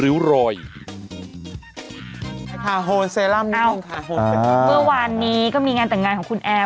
ริ้วรอยพาโฮลเซรั่มนิดนึงค่ะอ่าเมื่อวานนี้ก็มีงานแต่งงานของคุณแอร์